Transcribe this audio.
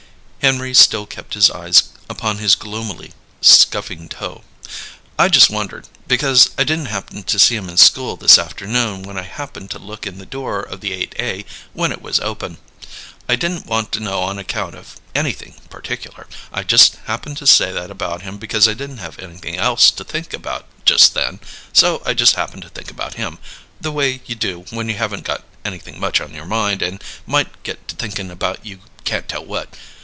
Henry still kept his eyes upon his gloomily scuffing toe. "I just wondered, because I didn't happen to see him in school this afternoon when I happened to look in the door of the Eight A when it was open. I didn't want to know on account of anything particular. I just happened to say that about him because I didn't have anything else to think about just then, so I just happened to think about him, the way you do when you haven't got anything much on your mind and might get to thinkin' about you can't tell what.